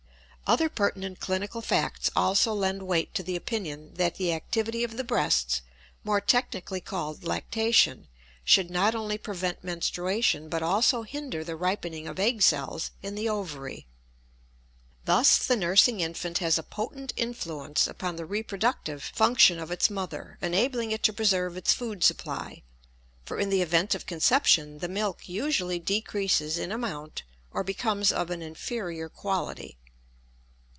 Other pertinent clinical facts also lend weight to the opinion that the activity of the breasts, more technically called lactation, should not only prevent menstruation but also hinder the ripening of egg cells in the ovary. Thus, the nursing infant has a potent influence upon the reproductive function of its mother, enabling it to preserve its food supply; for in the event of conception the milk usually decreases in amount or becomes of an inferior quality.